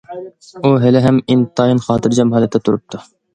ئۇ ھېلىھەم ئىنتايىن خاتىرجەم ھالەتتە تۇرۇپتۇ.